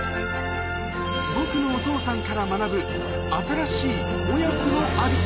ぼくのお父さんから学ぶ、新しい親子のあり方。